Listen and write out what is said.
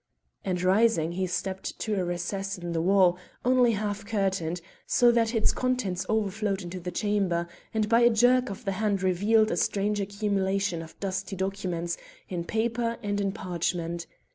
and rising he stepped to a recess in the wall, only half curtained, so that its contents overflowed into the chamber, and by a jerk of the hand revealed a strange accumulation of dusty documents in paper and in parchment.